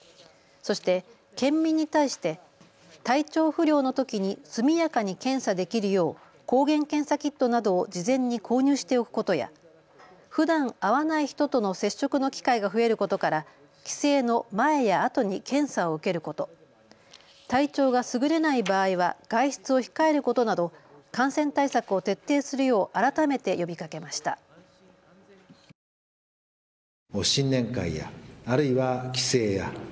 そして県民に対して、体調不良のときに速やかに検査できるよう抗原検査キットなどを事前に購入しておくことや、ふだん会わない人との接触の機会が増えることから帰省の前や後に検査を受けること、体調がすぐれない場合は外出を控えることなど感染対策を徹底するよう改めて呼びかけました。